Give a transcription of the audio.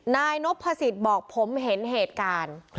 นายนพสิทธิ์บอกผมเห็นเหตุการณ์